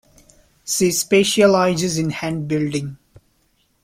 She specializes in hand building.